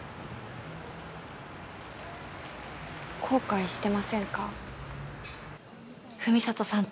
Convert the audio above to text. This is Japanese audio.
後悔してませんか？